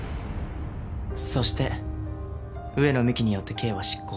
そして上野美貴によって刑は執行された。